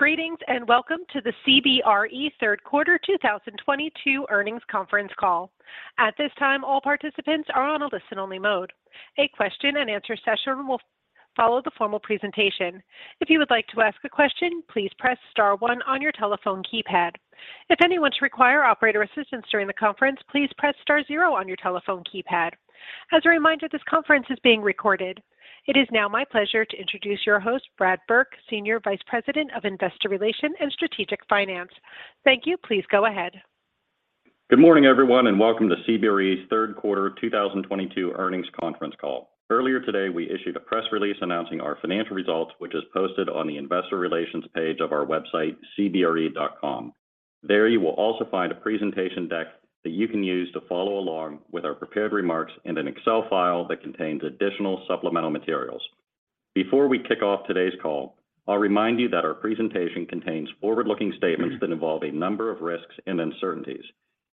Greetings, and welcome to the CBRE Third Quarter 2022 Earnings Conference Call. At this time, all participants are on a listen-only mode. A question and answer session will follow the formal presentation. If you would like to ask a question, please press star 1 on your telephone keypad. If anyone should require operator assistance during the conference, please press star 0 on your telephone keypad. As a reminder, this conference is being recorded. It is now my pleasure to introduce your host, Brad Burke, Senior Vice President of Investor Relations and Strategic Finance. Thank you. Please go ahead. Good morning, everyone, and welcome to CBRE's Third Quarter 2022 Earnings Conference Call. Earlier today, we issued a press release announcing our financial results, which is posted on the investor relations page of our website, cbre.com. There, you will also find a presentation deck that you can use to follow along with our prepared remarks and an Excel file that contains additional supplemental materials. Before we kick off today's call, I'll remind you that our presentation contains forward-looking statements that involve a number of risks and uncertainties.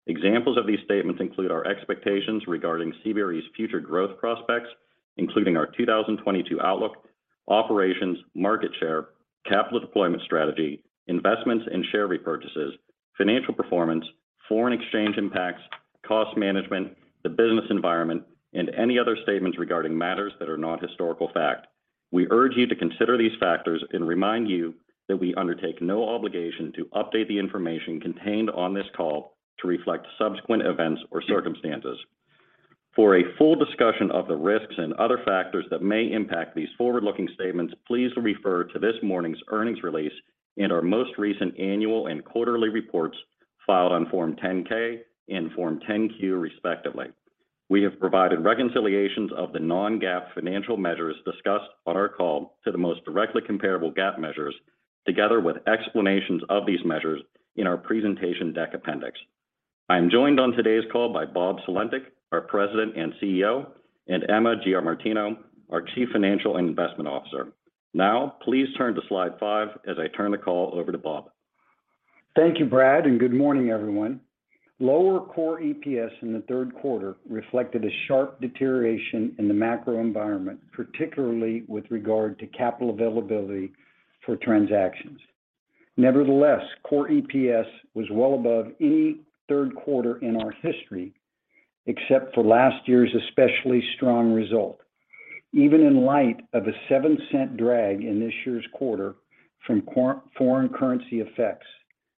Examples of these statements include our expectations regarding CBRE's future growth prospects, including our 2022 outlook, operations, market share, capital deployment strategy, investments and share repurchases, financial performance, foreign exchange impacts, cost management, the business environment, and any other statements regarding matters that are not historical fact. We urge you to consider these factors and remind you that we undertake no obligation to update the information contained on this call to reflect subsequent events or circumstances. For a full discussion of the risks and other factors that may impact these forward-looking statements, please refer to this morning's earnings release and our most recent annual and quarterly reports filed on Form 10-K and Form 10-Q, respectively. We have provided reconciliations of the non-GAAP financial measures discussed on our call to the most directly comparable GAAP measures, together with explanations of these measures in our presentation deck appendix. I am joined on today's call by Bob Sulentic, our President and CEO, and Emma Giamartino, our Chief Financial and Investment Officer. Now please turn to Slide 5 as I turn the call over to Bob. Thank you, Brad, and good morning, everyone. Lower Core EPS in the third quarter reflected a sharp deterioration in the macro environment, particularly with regard to capital availability for transactions. Nevertheless, Core EPS was well above any 3rd quarter in our history, except for last year's especially strong result. Even in light of a $0.07 drag in this year's quarter from foreign currency effects,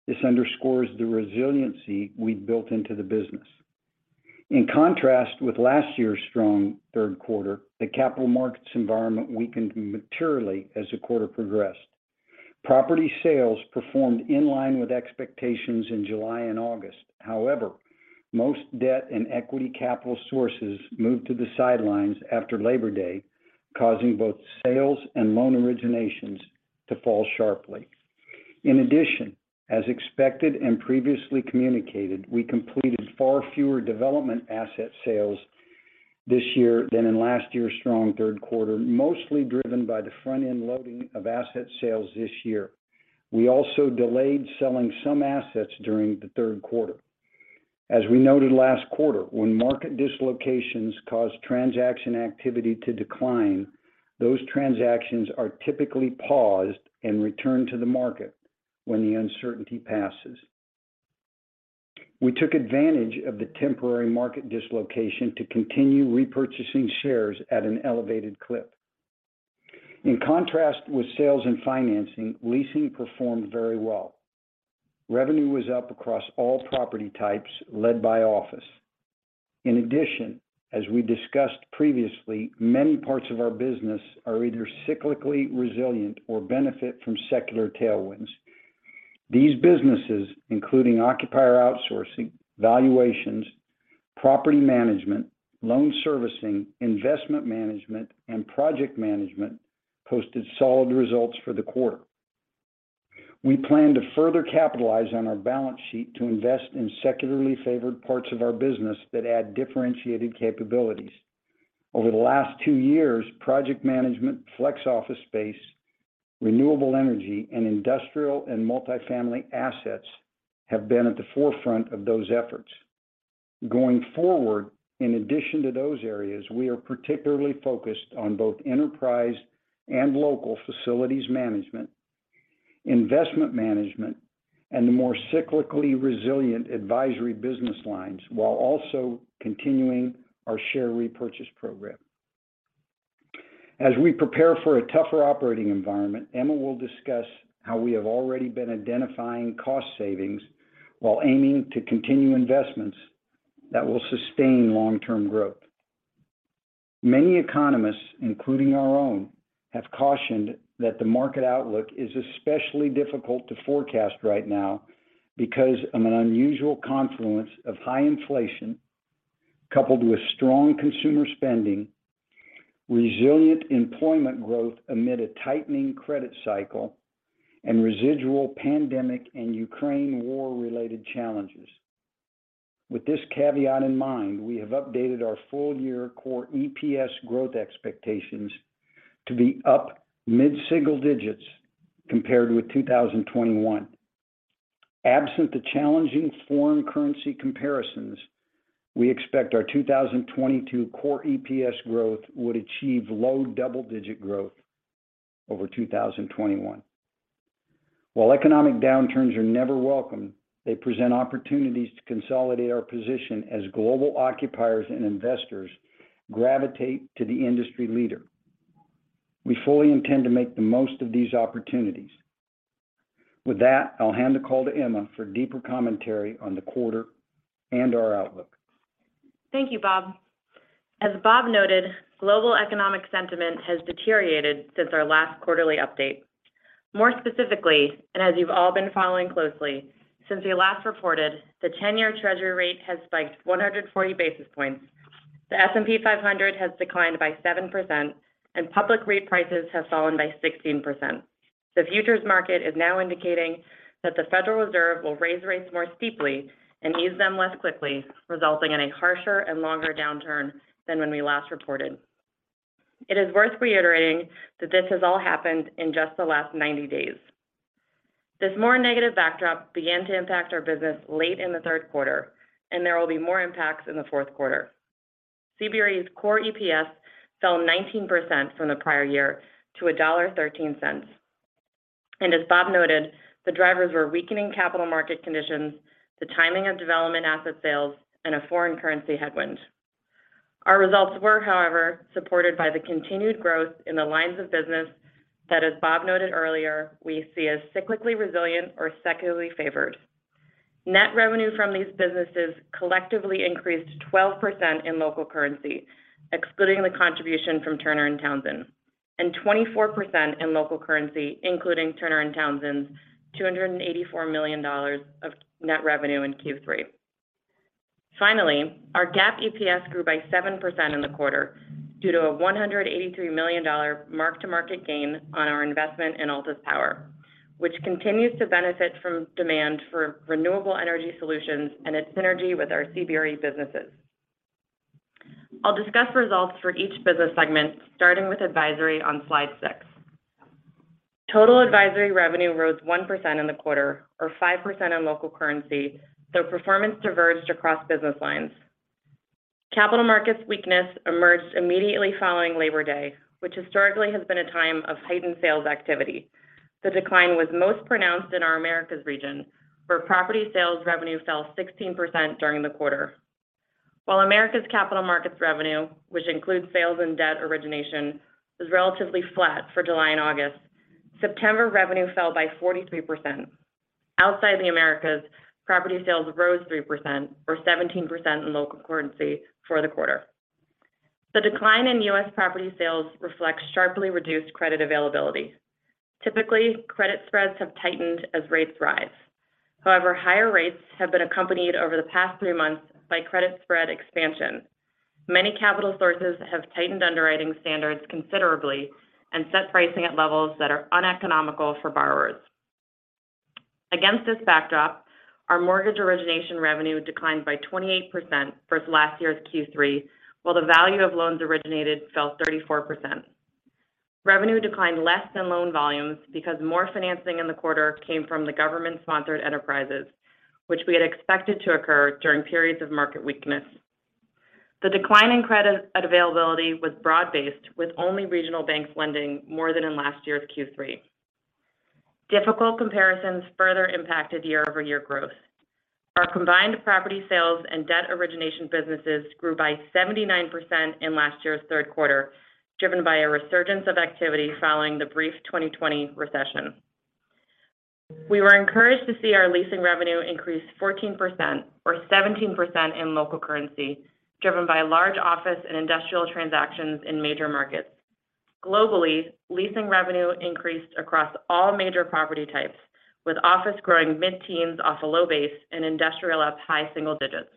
this underscores the resiliency we've built into the business. In contrast with last year's strong third quarter, the capital markets environment weakened materially as the quarter progressed. Property sales performed in line with expectations in July and August. However, most debt and equity capital sources moved to the sidelines after Labor Day, causing both sales and loan originations to fall sharply. In addition, as expected and previously communicated, we completed far fewer development asset sales this year than in last year's strong third quarter, mostly driven by the front-end loading of asset sales this year. We also delayed selling some assets during the third quarter. As we noted last quarter, when market dislocations cause transaction activity to decline, those transactions are typically paused and returned to the market when the uncertainty passes. We took advantage of the temporary market dislocation to continue repurchasing shares at an elevated clip. In contrast with sales and financing, leasing performed very well. Revenue was up across all property types, led by office. In addition, as we discussed previously, many parts of our business are either cyclically resilient or benefit from secular tailwinds. These businesses, including occupier outsourcing, valuations, property management, loan servicing, investment management, and project management, posted solid results for the quarter. We plan to further capitalize on our balance sheet to invest in secularly favored parts of our business that add differentiated capabilities. Over the last 2 years, project management, flex office space, renewable energy, and industrial and multifamily assets have been at the forefront of those efforts. Going forward, in addition to those areas, we are particularly focused on both enterprise and local facilities management, investment management, and the more cyclically resilient advisory business lines, while also continuing our share repurchase program. As we prepare for a tougher operating environment, Emma will discuss how we have already been identifying cost savings while aiming to continue investments that will sustain long-term growth. Many economists, including our own, have cautioned that the market outlook is especially difficult to forecast right now because of an unusual confluence of high inflation coupled with strong consumer spending, resilient employment growth amid a tightening credit cycle, and residual pandemic and Ukraine war-related challenges. With this caveat in mind, we have updated our full year Core EPS growth expectations to be up mid-single digits compared with 2021. Absent the challenging foreign currency comparisons, we expect our 2022 Core EPS growth would achieve low double-digit growth over 2021. While economic downturns are never welcome, they present opportunities to consolidate our position as global occupiers and investors gravitate to the industry leader. We fully intend to make the most of these opportunities. With that, I'll hand the call to Emma for deeper commentary on the quarter and our outlook. Thank you, Bob. As Bob noted, global economic sentiment has deteriorated since our last quarterly update. More specifically, and as you've all been following closely, since we last reported, the ten-year treasury rate has spiked 140 basis points. The S&P 500 has declined by 7%, and public REIT prices have fallen by 16%. The futures market is now indicating that the Federal Reserve will raise rates more steeply and ease them less quickly, resulting in a harsher and longer downturn than when we last reported. It is worth reiterating that this has all happened in just the last 90 days. This more negative backdrop began to impact our business late in the 3rd quarter, and there will be more impacts in the 4th quarter. CBRE's Core EPS fell 19% from the prior year to $1.13. As Bob noted, the drivers were weakening capital market conditions, the timing of development asset sales, and a foreign currency headwind. Our results were, however, supported by the continued growth in the lines of business that, as Bob noted earlier, we see as cyclically resilient or secularly favored. Net revenue from these businesses collectively increased 12% in local currency, excluding the contribution from Turner & Townsend, and 24% in local currency, including Turner & Townsend's $284 million of net revenue in Q3. Finally, our GAAP EPS grew by 7% in the quarter due to a $183 million mark-to-market gain on our investment in Altus Power, which continues to benefit from demand for renewable energy solutions and its synergy with our CBRE businesses. I'll discuss results for each business segment, starting with advisory on Slide 6. Total advisory revenue rose 1% in the quarter or 5% in local currency, though performance diverged across business lines. Capital markets weakness emerged immediately following Labor Day, which historically has been a time of heightened sales activity. The decline was most pronounced in our Americas region, where property sales revenue fell 16% during the quarter. While Americas capital markets revenue, which includes sales and debt origination, was relatively flat for July and August, September revenue fell by 43%. Outside the Americas, property sales rose 3% or 17% in local currency for the quarter. The decline in U.S. property sales reflects sharply reduced credit availability. Typically, credit spreads have tightened as rates rise. However, higher rates have been accompanied over the past three months by credit spread expansion. Many capital sources have tightened underwriting standards considerably and set pricing at levels that are uneconomical for borrowers. Against this backdrop, our mortgage origination revenue declined by 28% versus last year's Q3, while the value of loans originated fell 34%. Revenue declined less than loan volumes because more financing in the quarter came from the government-sponsored enterprises, which we had expected to occur during periods of market weakness. The decline in credit availability was broad-based, with only regional banks lending more than in last year's Q3. Difficult comparisons further impacted year-over-year growth. Our combined property sales and debt origination businesses grew by 79% in last year's 3rd quarter, driven by a resurgence of activity following the brief 2020 recession. We were encouraged to see our leasing revenue increase 14% or 17% in local currency, driven by large office and industrial transactions in major markets. Globally, leasing revenue increased across all major property types, with office growing mid-teens off a low base and industrial up high single digits.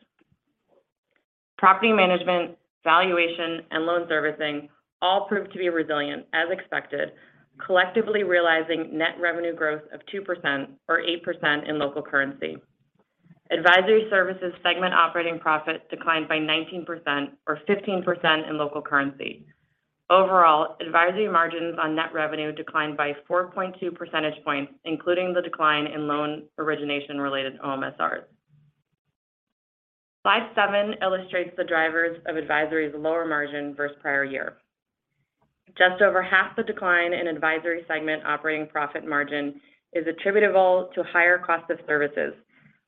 Property management, valuation, and loan servicing all proved to be resilient as expected, collectively realizing net revenue growth of 2% or 8% in local currency. Advisory services segment operating profit declined by 19% or 15% in local currency. Overall, advisory margins on net revenue declined by 4.2 percentage points, including the decline in loan origination-related OMSRs. Slide 7 illustrates the drivers of advisory's lower margin versus prior year. Just over half the decline in advisory segment operating profit margin is attributable to higher cost of services,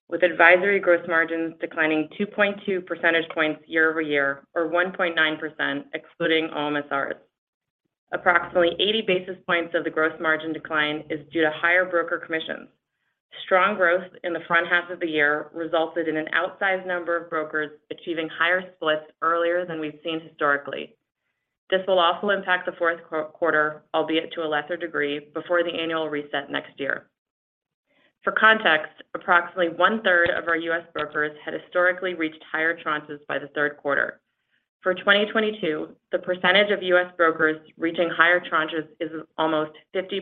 with advisory gross margins declining 2.2 percentage points year-over-year or 1.9% excluding OMSRs. Approximately 80 basis points of the gross margin decline is due to higher broker commissions. Strong growth in the front half of the year resulted in an outsized number of brokers achieving higher splits earlier than we've seen historically. This will also impact the 4th quarter, albeit to a lesser degree, before the annual reset next year. For context, approximately one-third of our U.S. brokers had historically reached higher tranches by the third quarter. For 2022, the percentage of U.S. brokers reaching higher tranches is almost 50%.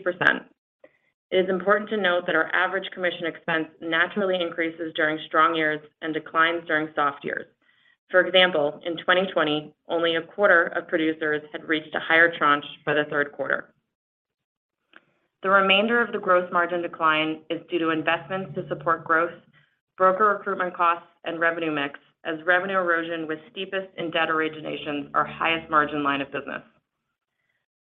It is important to note that our average commission expense naturally increases during strong years and declines during soft years. For example, in 2020, only a quarter of producers had reached a higher tranche for the third quarter. The remainder of the gross margin decline is due to investments to support growth, broker recruitment costs, and revenue mix as revenue erosion was steepest in debt origination, our highest margin line of business.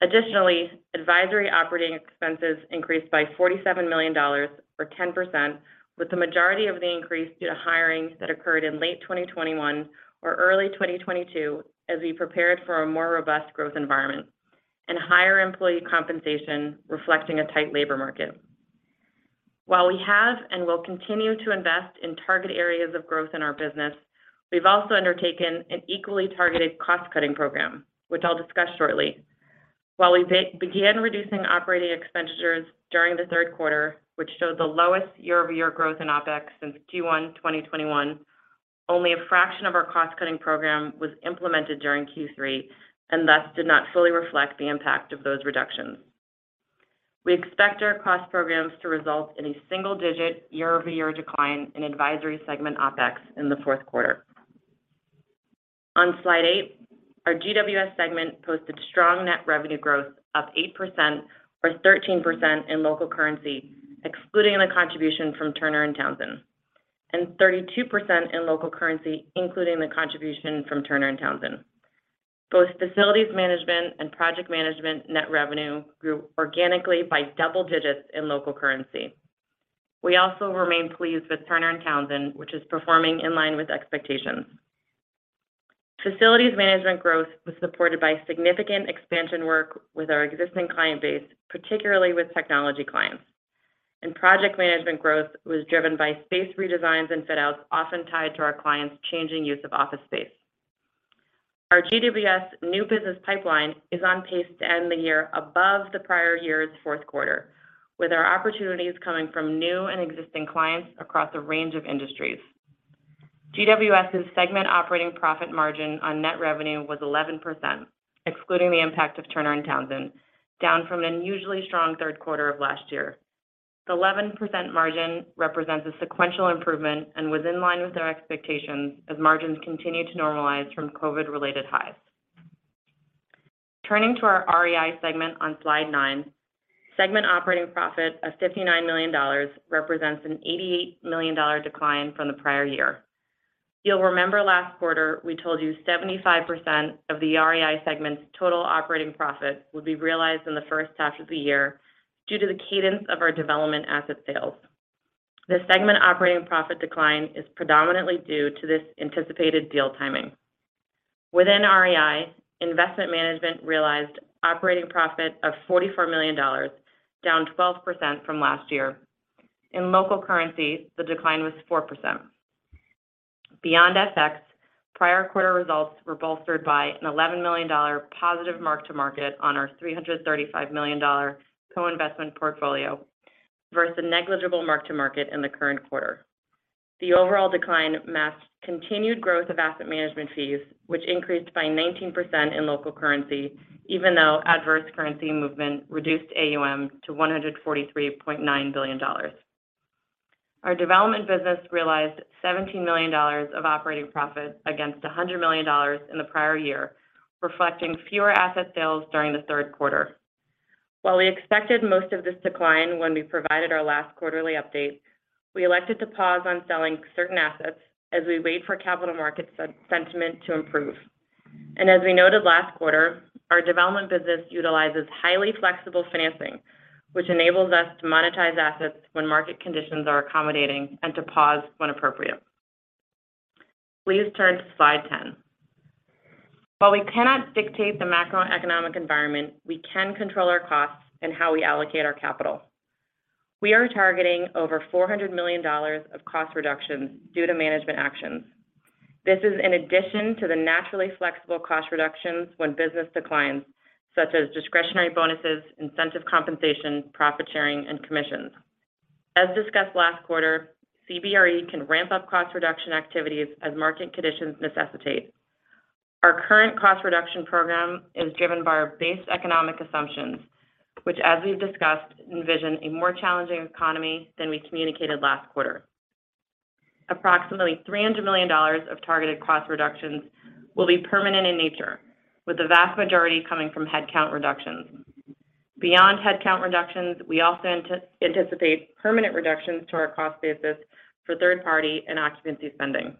Additionally, advisory operating expenses increased by $47 million, or 10%, with the majority of the increase due to hiring that occurred in late 2021 or early 2022 as we prepared for a more robust growth environment and higher employee compensation reflecting a tight labor market. While we have and will continue to invest in target areas of growth in our business, we've also undertaken an equally targeted cost-cutting program, which I'll discuss shortly. While we began reducing operating expenditures during the third quarter, which showed the lowest year-over-year growth in OpEx since Q1 2021, only a fraction of our cost-cutting program was implemented during Q3, and thus did not fully reflect the impact of those reductions. We expect our cost programs to result in a single-digit year-over-year decline in advisory segment OpEx in the fourth quarter. On Slide 8, our GWS segment posted strong net revenue growth up 8% or 13% in local currency, excluding the contribution from Turner & Townsend, and 32% in local currency, including the contribution from Turner & Townsend. Both facilities management and project management net revenue grew organically by double digits in local currency. We also remain pleased with Turner & Townsend, which is performing in line with expectations. Facilities management growth was supported by significant expansion work with our existing client base, particularly with technology clients. Project management growth was driven by space redesigns and fit outs, often tied to our clients' changing use of office space. Our GWS new business pipeline is on pace to end the year above the prior year's fourth quarter, with our opportunities coming from new and existing clients across a range of industries. GWS's segment operating profit margin on net revenue was 11%, excluding the impact of Turner & Townsend, down from an unusually strong third quarter of last year. The 11% margin represents a sequential improvement and was in line with our expectations as margins continue to normalize from COVID-related highs. Turning to our REI segment on Slide 9, segment operating profit of $59 million represents an $88 million decline from the prior year. You'll remember last quarter, we told you 75% of the REI segment's total operating profit would be realized in the first half of the year due to the cadence of our development asset sales. The segment operating profit decline is predominantly due to this anticipated deal timing. Within REI, investment management realized operating profit of $44 million, down 12% from last year. In local currency, the decline was 4%. Beyond FX, prior quarter results were bolstered by a $11 million positive mark-to-market on our $335 million co-investment portfolio versus a negligible mark-to-market in the current quarter. The overall decline matched continued growth of asset management fees, which increased by 19% in local currency, even though adverse currency movement reduced AUM to $143.9 billion. Our development business realized $17 million of operating profit against $100 million in the prior year, reflecting fewer asset sales during the 3rd quarter. While we expected most of this decline when we provided our last quarterly update, we elected to pause on selling certain assets as we wait for capital market sentiment to improve. As we noted last quarter, our development business utilizes highly flexible financing, which enables us to monetize assets when market conditions are accommodating and to pause when appropriate. Please turn to Slide 10. While we cannot dictate the macroeconomic environment, we can control our costs and how we allocate our capital. We are targeting over $400 million of cost reductions due to management actions. This is in addition to the naturally flexible cost reductions when business declines, such as discretionary bonuses, incentive compensation, profit sharing, and commissions. As discussed last quarter, CBRE can ramp up cost reduction activities as market conditions necessitate. Our current cost reduction program is driven by our base economic assumptions, which, as we've discussed, envision a more challenging economy than we communicated last quarter. Approximately $300 million of targeted cost reductions will be permanent in nature, with the vast majority coming from headcount reductions. Beyond headcount reductions, we also anticipate permanent reductions to our cost basis for third party and occupancy spending.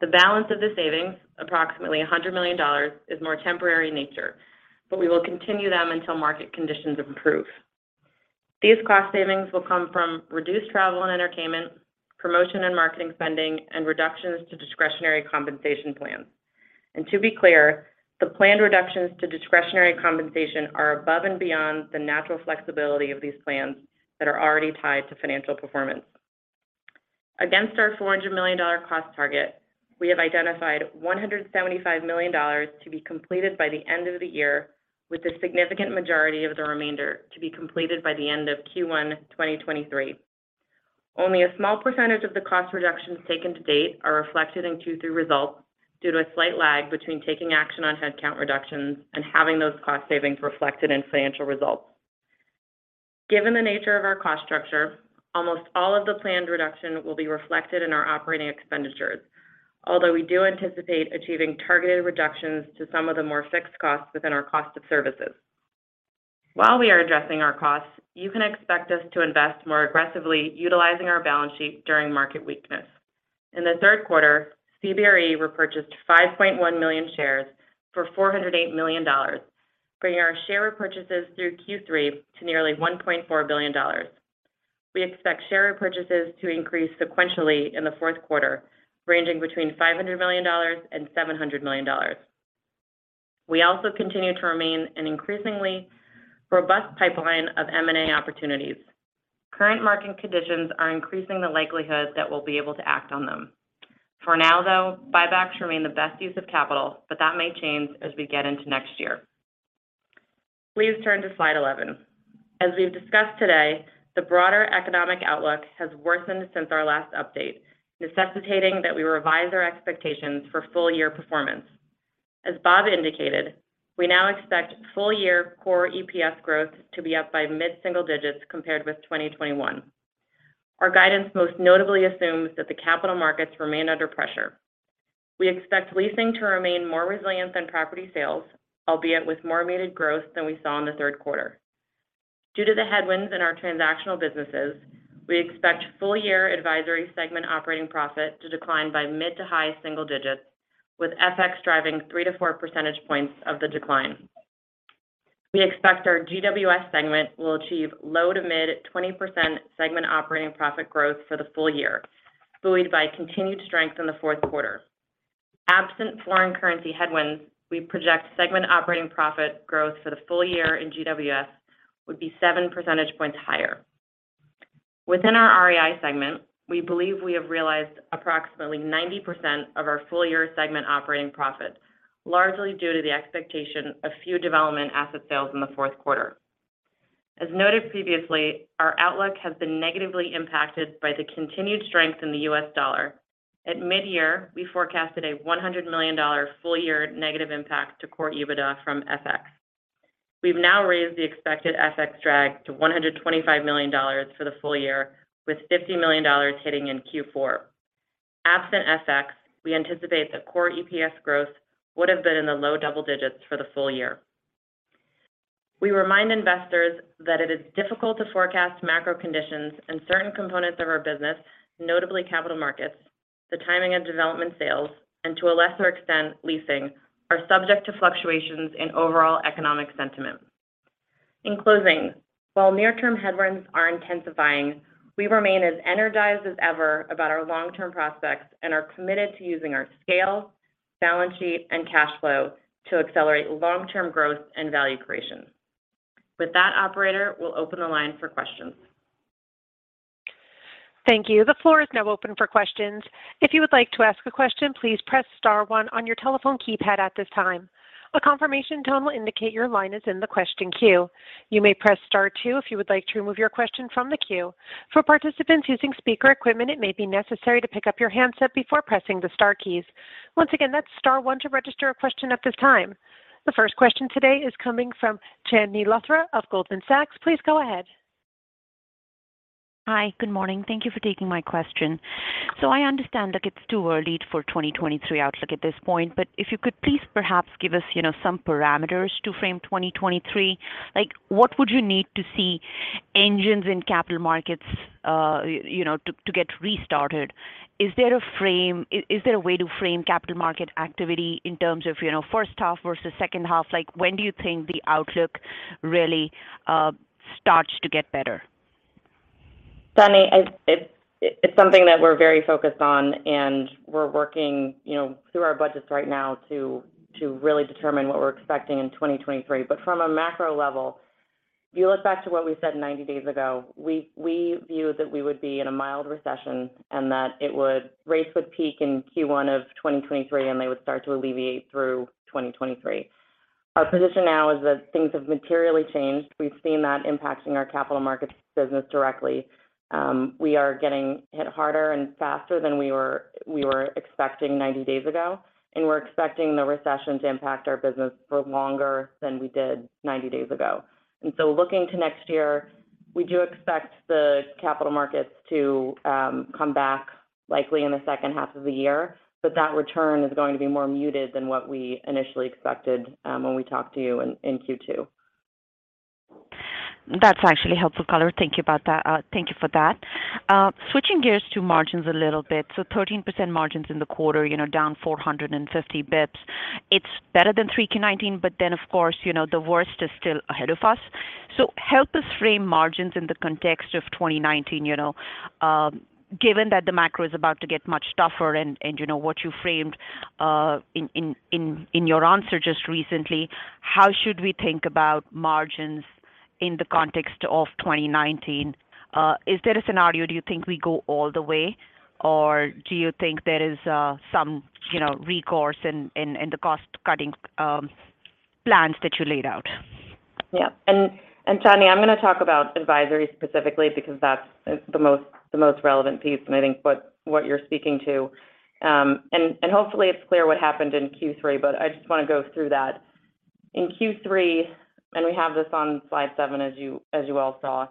The balance of the savings, approximately $100 million, is more temporary in nature, but we will continue them until market conditions improve. These cost savings will come from reduced travel and entertainment, promotion and marketing spending, and reductions to discretionary compensation plans. To be clear, the planned reductions to discretionary compensation are above and beyond the natural flexibility of these plans that are already tied to financial performance. Against our $400 million cost target, we have identified $175 million to be completed by the end of the year, with the significant majority of the remainder to be completed by the end of Q1 2023. Only a small percentage of the cost reductions taken to date are reflected in Q3 results due to a slight lag between taking action on headcount reductions and having those cost savings reflected in financial results. Given the nature of our cost structure, almost all of the planned reduction will be reflected in our operating expenditures. Although we do anticipate achieving targeted reductions to some of the more fixed costs within our cost of services. While we are addressing our costs, you can expect us to invest more aggressively utilizing our balance sheet during market weakness. In the third quarter, CBRE repurchased 5.1 million shares for $408 million, bringing our share repurchases through Q3 to nearly $1.4 billion. We expect share repurchases to increase sequentially in the fourth quarter, ranging between $500 million and $700 million. We also continue to maintain an increasingly robust pipeline of M&A opportunities. Current market conditions are increasing the likelihood that we'll be able to act on them. For now, though, buybacks remain the best use of capital, but that may change as we get into next year. Please turn to Slide 11. As we've discussed today, the broader economic outlook has worsened since our last update, necessitating that we revise our expectations for full year performance. As Bob indicated, we now expect full year Core EPS growth to be up by mid-single digits compared with 2021. Our guidance most notably assumes that the capital markets remain under pressure. We expect leasing to remain more resilient than property sales, albeit with more muted growth than we saw in the third quarter. Due to the headwinds in our transactional businesses, we expect full year advisory segment operating profit to decline by mid- to high-single-digits, with FX driving 3-4 percentage points of the decline. We expect our GWS segment will achieve low- to mid-20% segment operating profit growth for the full year, buoyed by continued strength in the 4th quarter. Absent foreign currency headwinds, we project segment operating profit growth for the full year in GWS would be 7 percentage points higher. Within our REI segment, we believe we have realized approximately 90% of our full year segment operating profit, largely due to the expectation of few development asset sales in the fourth quarter. As noted previously, our outlook has been negatively impacted by the continued strength in the U.S. dollar. At mid-year, we forecasted a $100 million full year negative impact to Core EBITDA from FX. We've now raised the expected FX drag to $125 million for the full year, with $50 million hitting in Q4. Absent FX, we anticipate that Core EPS growth would have been in the low double digits for the full year. We remind investors that it is difficult to forecast macro conditions and certain components of our business, notably capital markets, the timing of development sales, and to a lesser extent, leasing, are subject to fluctuations in overall economic sentiment. In closing, while near term headwinds are intensifying, we remain as energized as ever about our long-term prospects and are committed to using our scale, balance sheet, and cash flow to accelerate long-term growth and value creation. With that, operator, we'll open the line for questions. Thank you. The floor is now open for questions. If you would like to ask a question, please press star 1 on your telephone keypad at this time. A confirmation tone will indicate your line is in the question queue. You may press star 2 if you would like to remove your question from the queue. For participants using speaker equipment, it may be necessary to pick up your handset before pressing the star keys. Once again, that's star one to register a question at this time. The first question today is coming from Chandni Luthra of Goldman Sachs. Please go ahead. Hi. Good morning. Thank you for taking my question. I understand that it's too early for 2023 outlook at this point, but if you could please perhaps give us, you know, some parameters to frame 2023. Like, what would you need to see engines in capital markets, you know, to get restarted? Is there a way to frame capital market activity in terms of, you know, first half versus second half? Like, when do you think the outlook really starts to get better? Chandni, it's something that we're very focused on, and we're working, you know, through our budgets right now to really determine what we're expecting in 2023. From a macro level, if you look back to what we said 90 days ago, we viewed that we would be in a mild recession and that rates would peak in Q1 of 2023, and they would start to alleviate through 2023. Our position now is that things have materially changed. We've seen that impacting our capital markets business directly. We are getting hit harder and faster than we were expecting 90 days ago, and we're expecting the recession to impact our business for longer than we did 90 days ago. Looking to next year, we do expect the capital markets to come back likely in the second half of the year, but that return is going to be more muted than what we initially expected when we talked to you in Q2. That's actually helpful color. Thank you about that. Thank you for that. Switching gears to margins a little bit. 13% margins in the quarter, you know, down 450 basis points. It's better than 3Q 2019, but then, of course, you know, the worst is still ahead of us. Help us frame margins in the context of 2019, you know, given that the macro is about to get much tougher and you know what you framed in your answer just recently, how should we think about margins in the context of 2019? Is there a scenario, do you think we go all the way, or do you think there is some, you know, recourse in the cost-cutting plans that you laid out? Yeah, Chandni, I'm going to talk about advisory specifically because that's the most relevant piece, and I think what you're speaking to. Hopefully it's clear what happened in Q3, but I just want to go through that. In Q3, we have this on Slide 7 as you all saw.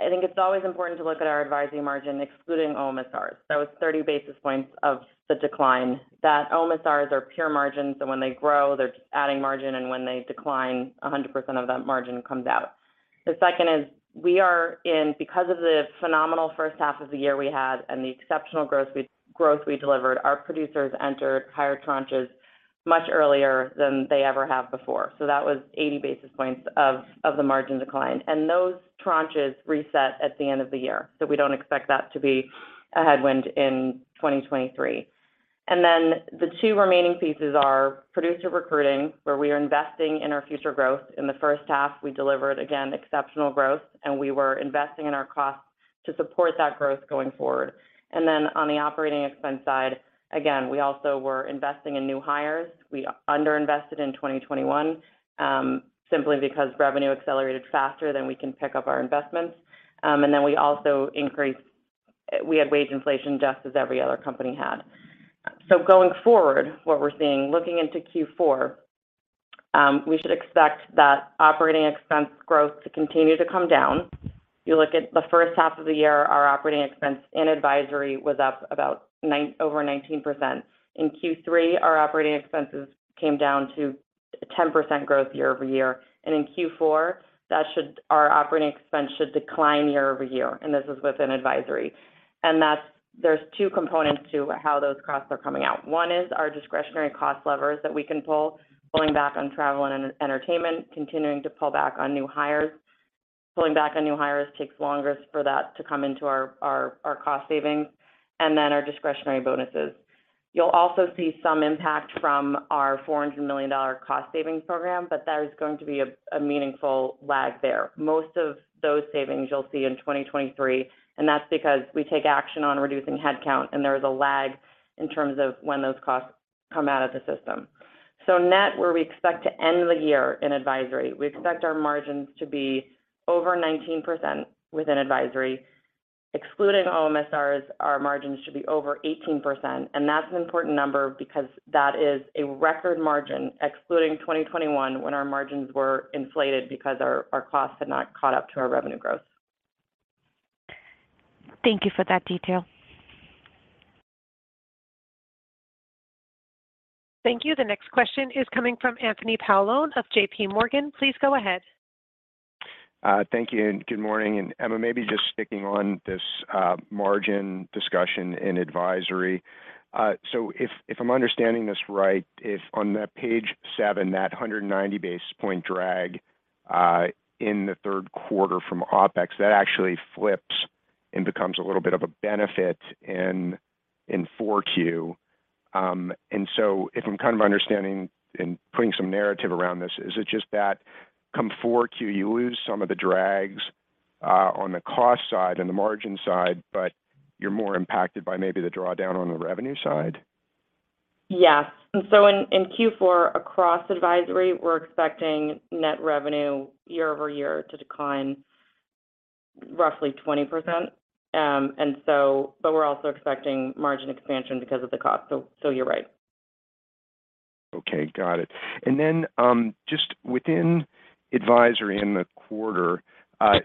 I think it's always important to look at our advisory margin excluding OMSRs. So it's 30 basis points of the decline. That OMSRs are pure margins, and when they grow, they're just adding margin, and when they decline, 100% of that margin comes out. The second is because of the phenomenal first half of the year we had and the exceptional growth we delivered, our producers entered higher tranches much earlier than they ever have before. That was 80 basis points of the margin decline. Those tranches reset at the end of the year, so we don't expect that to be a headwind in 2023. The two remaining pieces are producer recruiting, where we are investing in our future growth. In the first half, we delivered, again, exceptional growth, and we were investing in our costs to support that growth going forward. On the operating expense side, again, we also were investing in new hires. We under-invested in 2021, simply because revenue accelerated faster than we can pick up our investments. We also had wage inflation just as every other company had. Going forward, what we're seeing looking into Q4, we should expect that operating expense growth to continue to come down. You look at the first half of the year, our operating expense in advisory was up about over 19%. In Q3, our operating expenses came down to 10% growth year-over-year. In Q4, our operating expense should decline year-over-year, and this is within advisory. That's 2 components to how those costs are coming out. One is our discretionary cost levers that we can pull, pulling back on travel and entertainment, continuing to pull back on new hires. Pulling back on new hires takes longer for that to come into our cost savings, and then our discretionary bonuses. You'll also see some impact from our $400 million cost savings program, but there is going to be a meaningful lag there. Most of those savings you'll see in 2023, and that's because we take action on reducing headcount, and there's a lag in terms of when those costs come out of the system. Net, where we expect to end the year in advisory, we expect our margins to be over 19% within advisory. Excluding OMSRs, our margins should be over 18%, and that's an important number because that is a record margin excluding 2021 when our margins were inflated because our costs had not caught up to our revenue growth. Thank you for that detail. Thank you. The next question is coming from Anthony Paolone of JPMorgan. Please go ahead. Thank you and good morning. Emma, maybe just sticking on this, margin discussion in advisory. So if I'm understanding this right, if on that Page 7, that 190 basis point drag in the third quarter from OpEx, that actually flips and becomes a little bit of a benefit in 4Q. If I'm kind of understanding and putting some narrative around this, is it just that come 4Q, you lose some of the drags on the cost side and the margin side, but you're more impacted by maybe the drawdown on the revenue side? Yes. In Q4, across advisory, we're expecting net revenue year-over-year to decline roughly 20%. But we're also expecting margin expansion because of the cost. You're right. Okay. Got it. Just within advisory in the quarter,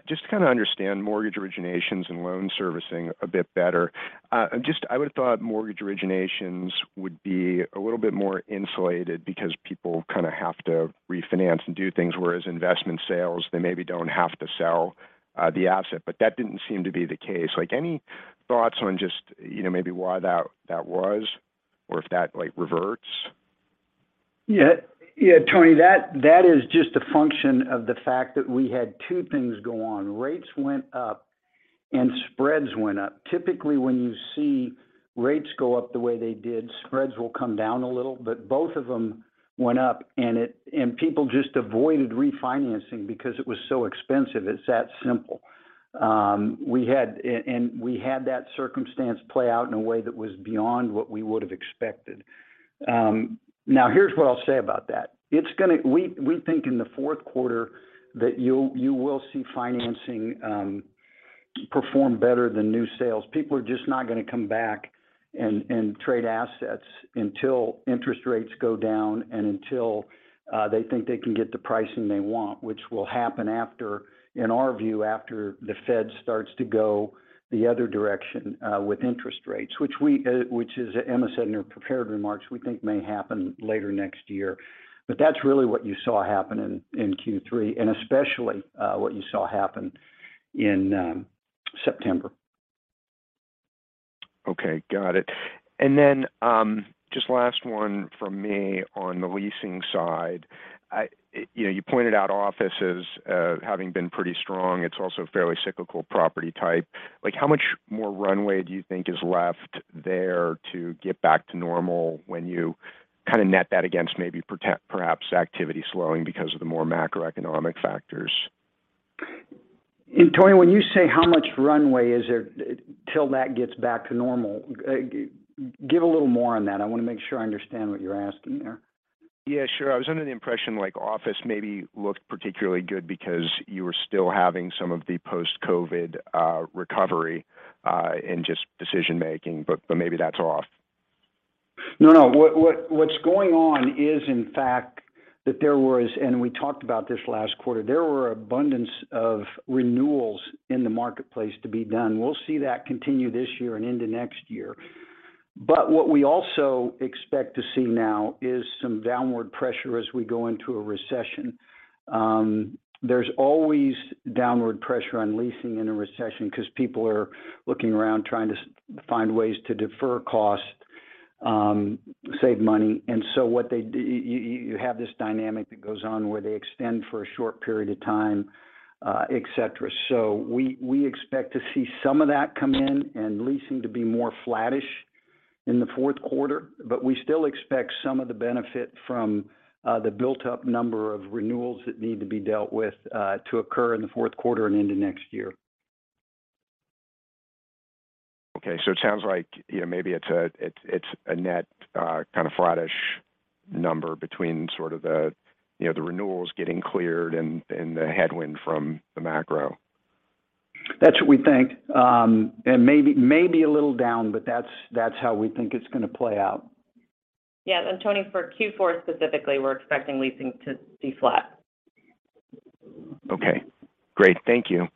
just to kind of understand mortgage originations and loan servicing a bit better. I would have thought mortgage originations would be a little bit more insulated because people kind of have to refinance and do things, whereas investment sales, they maybe don't have to sell the asset. That didn't seem to be the case. Like, any thoughts on just, you know, maybe why that was or if that, like, reverts? Yeah. Yeah, Anthony, that is just a function of the fact that we had two things go on. Rates went up and spreads went up. Typically, when you see rates go up the way they did, spreads will come down a little, but both of them went up and people just avoided refinancing because it was so expensive. It's that simple. We had that circumstance play out in a way that was beyond what we would have expected. Now here's what I'll say about that. We think in the 4th quarter that you will see financing perform better than new sales. People are just not gonna come back and trade assets until interest rates go down and until they think they can get the pricing they want, which will happen after, in our view, after the Fed starts to go the other direction with interest rates, which, as Emma said in her prepared remarks, we think may happen later next year. That's really what you saw happen in Q3, and especially what you saw happen in September. Okay. Got it. Then just last one from me on the leasing side. I, you know, you pointed out offices having been pretty strong. It's also a fairly cyclical property type. Like, how much more runway do you think is left there to get back to normal when you kind of net that against maybe perhaps activity slowing because of the more macroeconomic factors? Tony, when you say how much runway is there till that gets back to normal, give a little more on that. I want to make sure I understand what you're asking there. Yeah, sure. I was under the impression like office maybe looked particularly good because you were still having some of the post-COVID recovery in just decision-making, but maybe that's off. No, no. What's going on is in fact that there was, and we talked about this last quarter, there were abundance of renewals in the marketplace to be done. We'll see that continue this year and into next year. What we also expect to see now is some downward pressure as we go into a recession. There's always downward pressure on leasing in a recession because people are looking around trying to find ways to defer costs, save money. What you have this dynamic that goes on where they extend for a short period of time, et cetera. We expect to see some of that come in and leasing to be more flattish in the fourth quarter. We still expect some of the benefit from the built-up number of renewals that need to be dealt with to occur in the fourth quarter and into next year. Okay. It sounds like, you know, maybe it's a net kind of flattish number between sort of the renewals getting cleared and the headwind from the macro. That's what we think. Maybe a little down, but that's how we think it's gonna play out. Yeah. Tony, for Q4 specifically, we're expecting leasing to be flat. Okay, great. Thank you.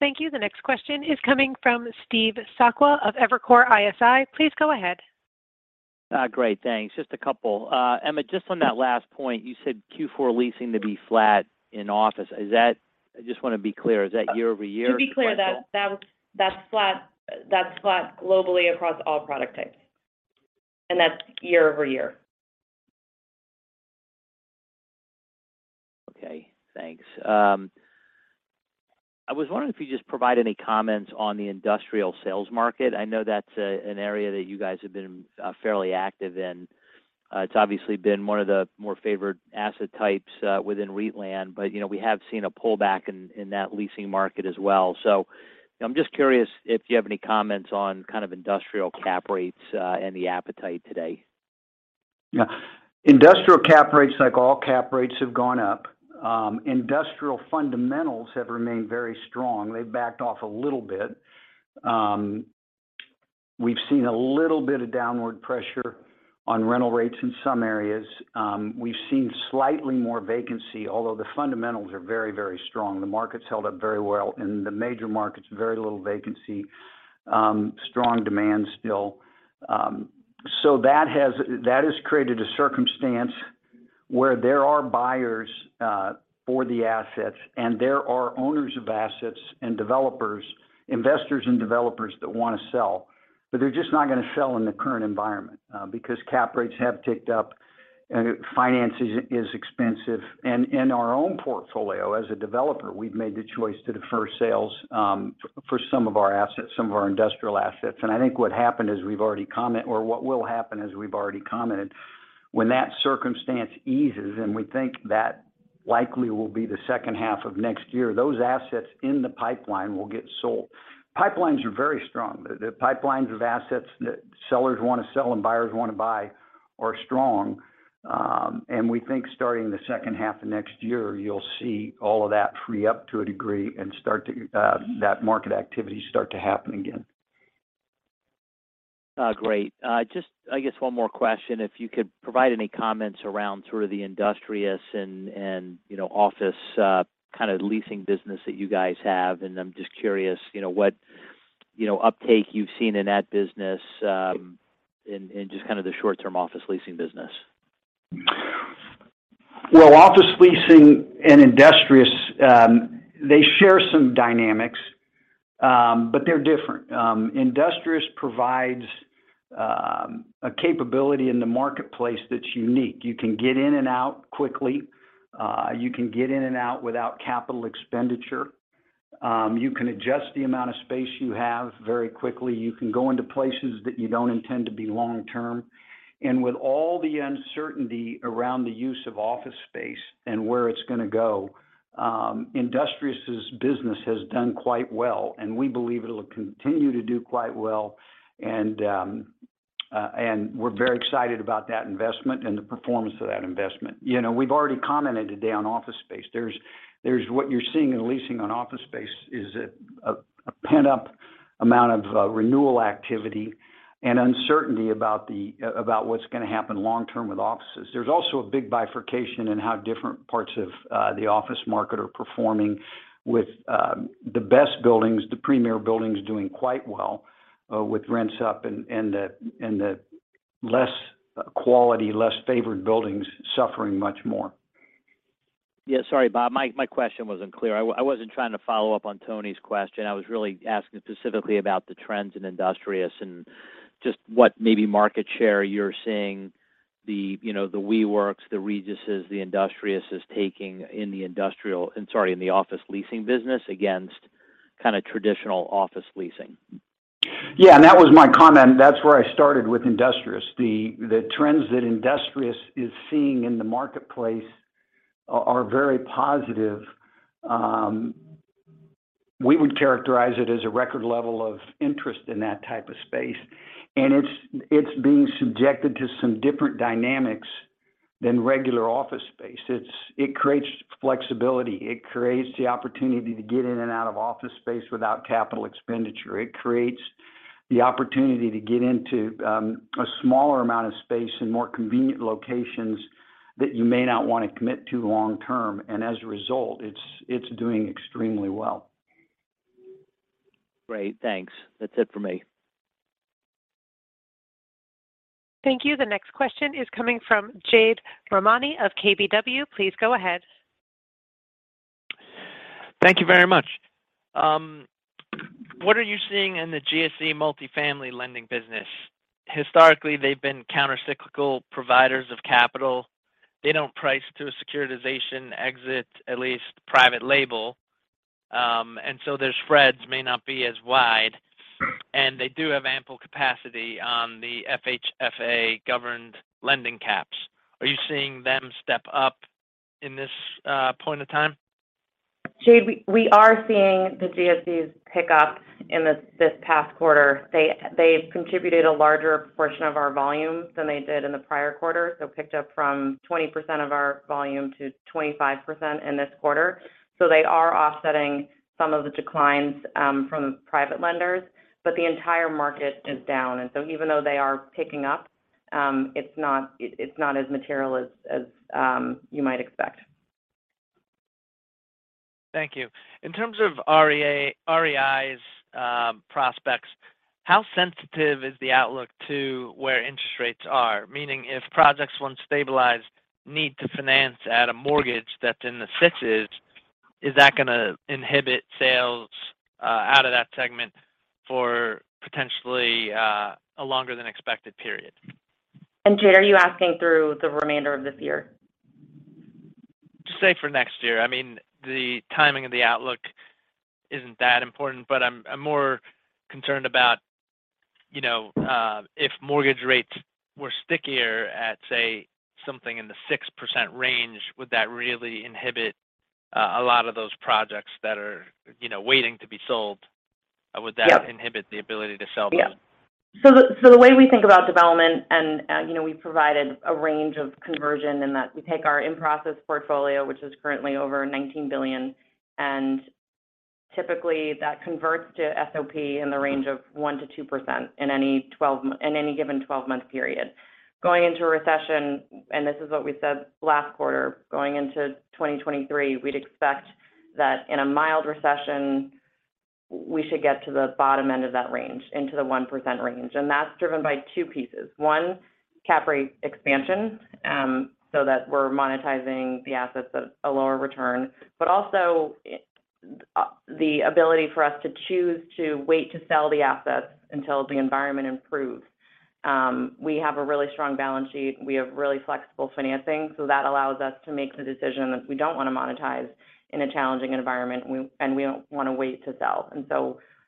Thank you. The next question is coming from Steve Sakwa of Evercore ISI. Please go ahead. Great. Thanks. Just a couple. Emma, just on that last point, you said Q4 leasing to be flat in office. Is that? I just wanna be clear, is that year-over-year? To be clear, that's flat globally across all product types, and that's year-over-year. Okay, thanks. I was wondering if you just provide any comments on the industrial sales market. I know that's an area that you guys have been fairly active in. It's obviously been one of the more favored asset types within REIT land. You know, we have seen a pullback in that leasing market as well. I'm just curious if you have any comments on kind of industrial cap rates and the appetite today. Yeah. Industrial cap rates, like all cap rates, have gone up. Industrial fundamentals have remained very strong. They've backed off a little bit. We've seen a little bit of downward pressure on rental rates in some areas. We've seen slightly more vacancy, although the fundamentals are very, very strong. The market's held up very well. In the major markets, very little vacancy, strong demand still. That has created a circumstance where there are buyers for the assets and there are owners of assets and developers, investors and developers that wanna sell, but they're just not gonna sell in the current environment because cap rates have ticked up and financing is expensive. In our own portfolio as a developer, we've made the choice to defer sales for some of our assets, some of our industrial assets. I think what will happen, as we've already commented, when that circumstance eases, and we think that likely will be the second half of next year, those assets in the pipeline will get sold. Pipelines are very strong. The pipelines of assets that sellers wanna sell and buyers wanna buy are strong. We think starting the second half of next year, you'll see all of that free up to a degree and that market activity start to happen again. Great. Just I guess one more question. If you could provide any comments around sort of the Industrious and, you know, office kind of leasing business that you guys have. I'm just curious, you know, what, you know, uptake you've seen in that business, in just kind of the short-term office leasing business. Well, office leasing and Industrious, they share some dynamics, but they're different. Industrious provides a capability in the marketplace that's unique. You can get in and out quickly. You can get in and out without capital expenditure. You can adjust the amount of space you have very quickly. You can go into places that you don't intend to be long term. With all the uncertainty around the use of office space and where it's gonna go, Industrious' business has done quite well, and we believe it'll continue to do quite well. We're very excited about that investment and the performance of that investment. You know, we've already commented today on office space. There's what you're seeing in leasing on office space is a pent-up amount of renewal activity and uncertainty about what's gonna happen long term with offices. There's also a big bifurcation in how different parts of the office market are performing with the best buildings, the premier buildings doing quite well with rents up and the less quality, less favored buildings suffering much more. Yeah. Sorry, Bob. My question wasn't clear. I wasn't trying to follow up on Tony's question. I was really asking specifically about the trends in Industrious and just what maybe market share you're seeing, you know, the WeWork, the Regus, the Industrious taking in the office leasing business against kind of traditional office leasing. Yeah. That was my comment. That's where I started with Industrious. The trends that Industrious is seeing in the marketplace are very positive. We would characterize it as a record level of interest in that type of space. It's being subjected to some different dynamics than regular office space. It creates flexibility. It creates the opportunity to get in and out of office space without capital expenditure. It creates the opportunity to get into a smaller amount of space in more convenient locations that you may not want to commit to long term. As a result, it's doing extremely well. Great. Thanks. That's it for me. Thank you. The next question is coming from Jade Rahmani of KBW. Please go ahead. Thank you very much. What are you seeing in the GSE multifamily lending business? Historically, they've been counter-cyclical providers of capital. They don't price to a securitization exit, at least private label. Their spreads may not be as wide, and they do have ample capacity on the FHFA-governed lending caps. Are you seeing them step up in this point of time? Jade, we are seeing the GSEs pick up in this past quarter. They contributed a larger portion of our volume than they did in the prior quarter, so picked up from 20% of our volume to 25% in this quarter. They are offsetting some of the declines from private lenders, but the entire market is down. Even though they are picking up, it's not as material as you might expect. Thank you. In terms of REI's prospects, how sensitive is the outlook to where interest rates are? Meaning if projects, once stabilized, need to finance at a mortgage that's in the sixes, is that gonna inhibit sales out of that segment for potentially a longer than expected period? Jade, are you asking through the remainder of this year? Just say for next year. I mean, the timing of the outlook isn't that important, but I'm more concerned about, you know, if mortgage rates were stickier at, say, something in the 6% range, would that really inhibit a lot of those projects that are, you know, waiting to be sold? Yep. Would that inhibit the ability to sell them? The way we think about development, you know we provided a range of conversion in that we take our in-process portfolio, which is currently over $19 billion, and typically that converts to SOP in the range of 1%-2% in any given 12 month period. Going into a recession, this is what we said last quarter, going into 2023, we'd expect that in a mild recession, we should get to the bottom end of that range, into the 1% range. That's driven by 2 pieces. One, cap rate expansion, so that we're monetizing the assets at a lower return, but also, the ability for us to choose to wait to sell the assets until the environment improves. We have a really strong balance sheet. We have really flexible financing, so that allows us to make the decision if we don't want to monetize in a challenging environment, and we don't wanna wait to sell.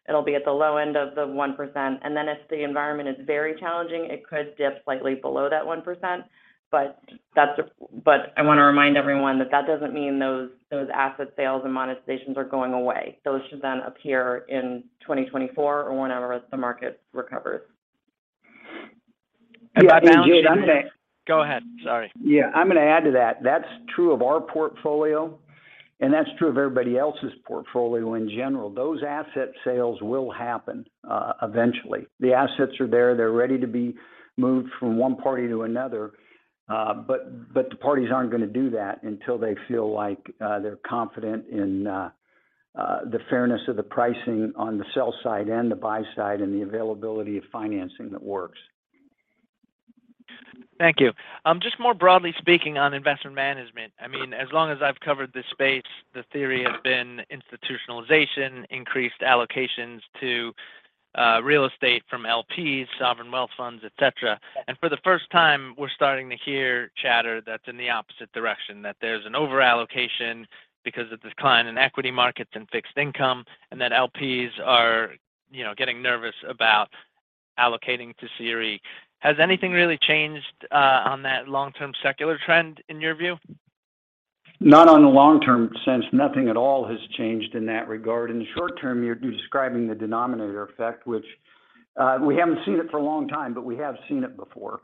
It'll be at the low end of the 1%. If the environment is very challenging, it could dip slightly below that 1%. I wanna remind everyone that that doesn't mean those asset sales and monetizations are going away. Those should then appear in 2024 or whenever the market recovers. Yeah, I mean, Jade, I'm gonna. Go ahead. Sorry. Yeah. I'm gonna add to that. That's true of our portfolio, and that's true of everybody else's portfolio in general. Those asset sales will happen, eventually. The assets are there. They're ready to be moved from one party to another. But the parties aren't gonna do that until they feel like they're confident in the fairness of the pricing on the sell side and the buy side and the availability of financing that works. Thank you. Just more broadly speaking on investment management. I mean, as long as I've covered this space, the theory has been institutionalization, increased allocations to real estate from LPs, sovereign wealth funds, et cetera. For the first time, we're starting to hear chatter that's in the opposite direction, that there's an over-allocation because of decline in equity markets and fixed income, and that LPs are, you know, getting nervous about allocating to CRE. Has anything really changed on that long-term secular trend in your view? Not in the long-term sense. Nothing at all has changed in that regard. In the short term, you're describing the denominator effect, which we haven't seen it for a long time, but we have seen it before.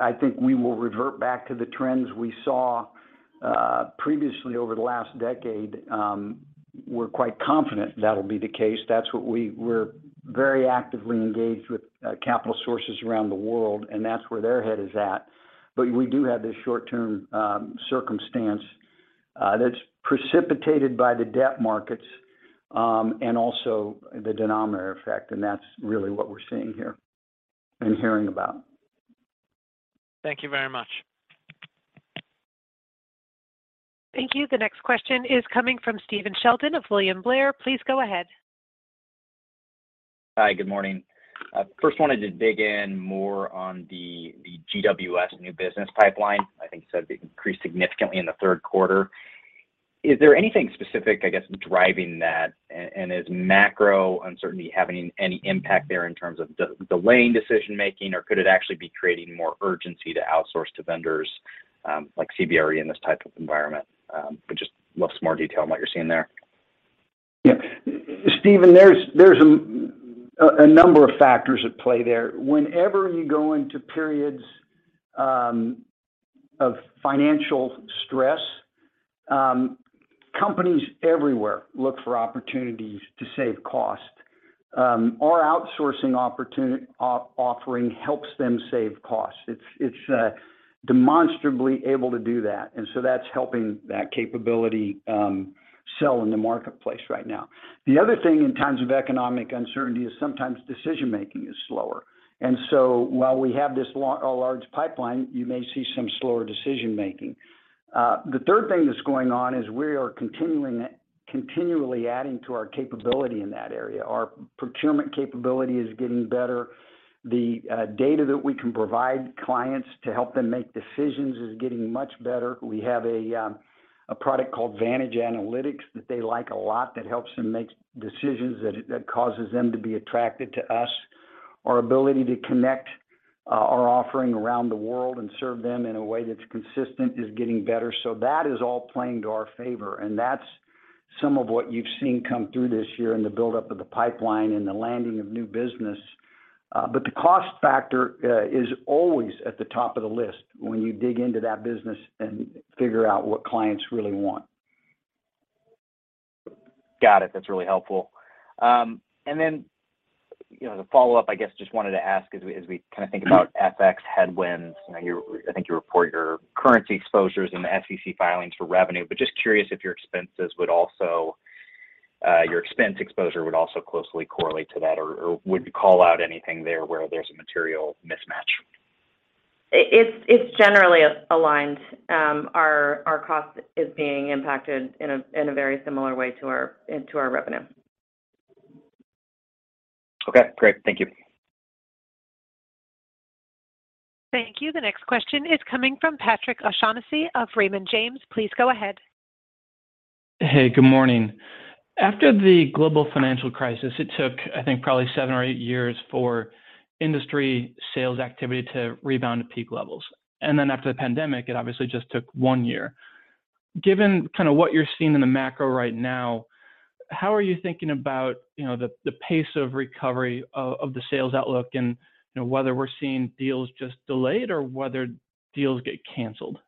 I think we will revert back to the trends we saw previously over the last decade. We're quite confident that'll be the case. We're very actively engaged with capital sources around the world, and that's where their head is at. But we do have this short-term circumstance that's precipitated by the debt markets and also the denominator effect, and that's really what we're seeing here and hearing about. Thank you very much. Thank you. The next question is coming from Stephen Sheldon of William Blair. Please go ahead. Hi. Good morning. I first wanted to dig in more on the GWS new business pipeline. I think you said it increased significantly in the third quarter. Is there anything specific, I guess, driving that? And is macro uncertainty having any impact there in terms of delaying decision-making, or could it actually be creating more urgency to outsource to vendors? Like CBRE in this type of environment, but just lots more detail on what you're seeing there. Yeah. Stephen, there's a number of factors at play there. Whenever you go into periods of financial stress, companies everywhere look for opportunities to save costs. Our outsourcing offering helps them save costs. It's demonstrably able to do that, and so that's helping that capability sell in the marketplace right now. The other thing in times of economic uncertainty is sometimes decision-making is slower. While we have a large pipeline, you may see some slower decision-making. The third thing that's going on is we are continually adding to our capability in that area. Our procurement capability is getting better. The data that we can provide clients to help them make decisions is getting much better. We have a product called Vantage Analytics that they like a lot that helps them make decisions that causes them to be attracted to us. Our ability to connect our offering around the world and serve them in a way that's consistent is getting better. That is all playing to our favor, and that's some of what you've seen come through this year in the buildup of the pipeline and the landing of new business. The cost factor is always at the top of the list when you dig into that business and figure out what clients really want. Got it. That's really helpful. And then, you know, the follow-up, I guess, just wanted to ask as we kinda think about FX headwinds. You know, you're I think you report your currency exposures in the SEC filings for revenue, but just curious if your expenses would also, your expense exposure would also closely correlate to that or would call out anything there where there's a material mismatch? It's generally aligned. Our cost is being impacted in a very similar way to our revenue. Okay, great. Thank you. Thank you. The next question is coming from Patrick O'Shaughnessy of Raymond James. Please go ahead. Hey, good morning. After the global financial crisis, it took, I think, probably seven or eight years for industry sales activity to rebound to peak levels. Then after the pandemic, it obviously just took one year. Given kinda what you're seeing in the macro right now, how are you thinking about, you know, the pace of recovery of the sales outlook and, you know, whether we're seeing deals just delayed or whether deals get canceled?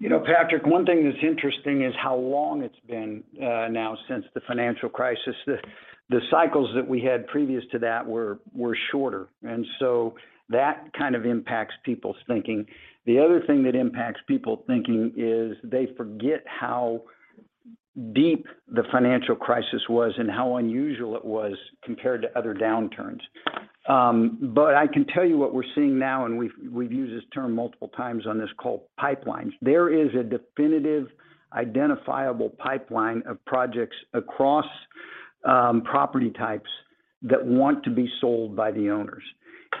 You know, Patrick, one thing that's interesting is how long it's been now since the financial crisis. The cycles that we had previous to that were shorter, and so that kind of impacts people's thinking. The other thing that impacts people thinking is they forget how deep the financial crisis was and how unusual it was compared to other downturns. I can tell you what we're seeing now, and we've used this term multiple times on this call, pipelines. There is a definitive, identifiable pipeline of projects across property types that want to be sold by the owners.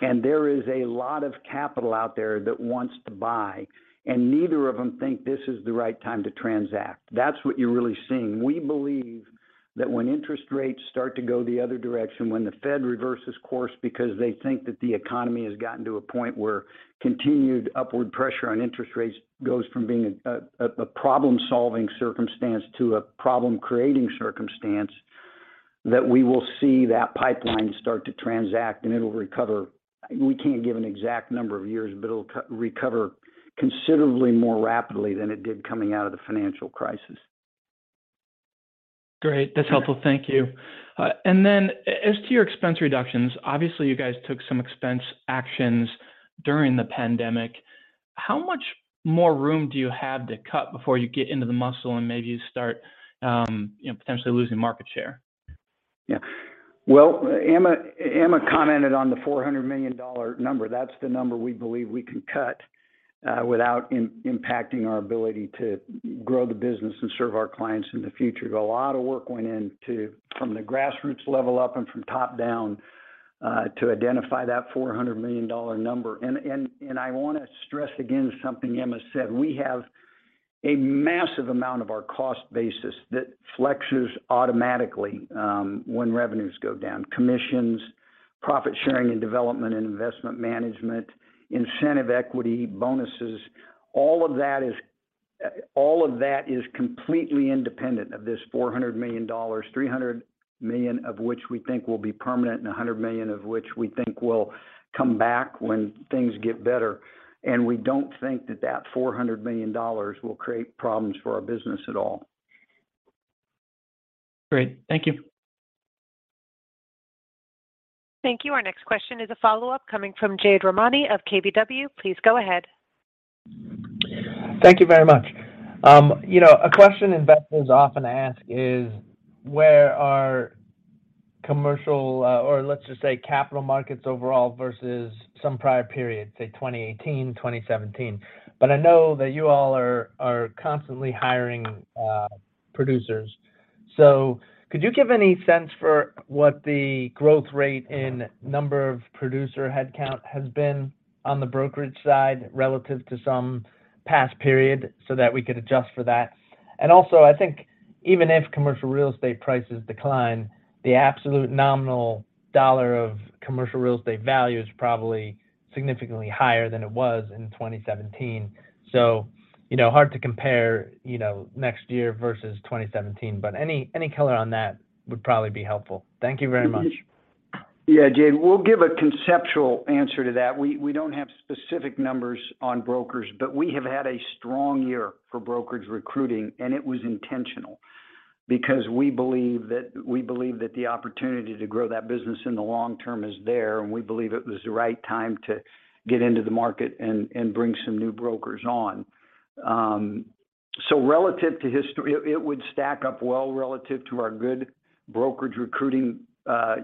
There is a lot of capital out there that wants to buy, and neither of them think this is the right time to transact. That's what you're really seeing. We believe that when interest rates start to go the other direction, when the Fed reverses course because they think that the economy has gotten to a point where continued upward pressure on interest rates goes from being a problem-solving circumstance to a problem-creating circumstance, that we will see that pipeline start to transact, and it'll recover. We can't give an exact number of years, but it'll recover considerably more rapidly than it did coming out of the financial crisis. Great. That's helpful. Thank you. As to your expense reductions, obviously you guys took some expense actions during the pandemic. How much more room do you have to cut before you get into the muscle and maybe you start, you know, potentially losing market share? Yeah. Well, Emma commented on the $400 million number. That's the number we believe we can cut without impacting our ability to grow the business and serve our clients in the future. A lot of work went into from the grassroots level up and from top down to identify that $400 million number. I wanna stress again something Emma said. We have a massive amount of our cost basis that flexes automatically when revenues go down. Commissions, profit sharing and development and investment management, incentive equity, bonuses, all of that is completely independent of this $400 million, $300 million of which we think will be permanent and $100 million of which we think will come back when things get better. We don't think that $400 million will create problems for our business at all. Great. Thank you. Thank you. Our next question is a follow-up coming from Jade Rahmani of KBW. Please go ahead. Thank you very much. You know, a question investors often ask is where are commercial, or let's just say capital markets overall versus some prior period, say 2018, 2017. I know that you all are constantly hiring producers. Could you give any sense for what the growth rate in number of producer headcount has been on the brokerage side relative to some past period so that we could adjust for that? I think even if commercial real estate prices decline, the absolute nominal dollar of commercial real estate value is probably significantly higher than it was in 2017. You know, hard to compare next year versus 2017, but any color on that would probably be helpful. Thank you very much. Yeah, Jade, we'll give a conceptual answer to that. We don't have specific numbers on brokers, but we have had a strong year for brokerage recruiting, and it was intentional because we believe that the opportunity to grow that business in the long term is there, and we believe it was the right time to get into the market and bring some new brokers on. Relative to history, it would stack up well relative to our good brokerage recruiting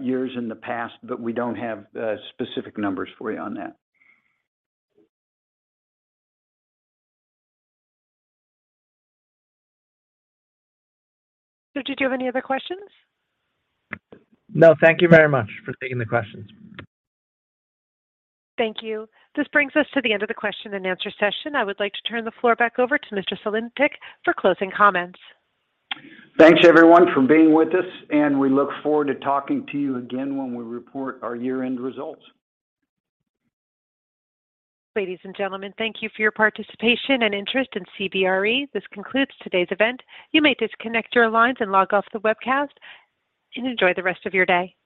years in the past, but we don't have specific numbers for you on that. Did you have any other questions? No. Thank you very much for taking the questions. Thank you. This brings us to the end of the question and answer session. I would like to turn the floor back over to Mr. Sulentic for closing comments. Thanks, everyone, for being with us, and we look forward to talking to you again when we report our year-end results. Ladies and gentlemen, thank you for your participation and interest in CBRE. This concludes today's event. You may disconnect your lines and log off the webcast and enjoy the rest of your day.